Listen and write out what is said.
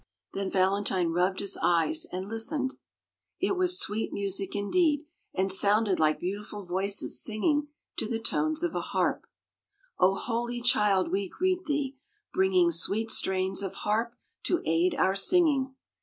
Then Valentine rubbed his eyes and listened. It was sweet music indeed, and sounded like beautiful voices singing to the tones of a harp: "O holy Child, we greet thee! bringing Sweet strains of harp to aid our singing.